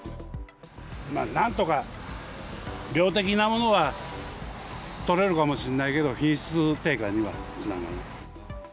まあ、なんとか量的なものは取れるかもしれないけど、品質低下にはつながる。